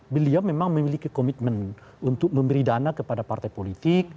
beliau memang memiliki komitmen untuk memberi dana kepada partai politik